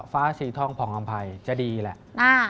ฟ้าสีทองผ่องอำภัยจะดีแหละ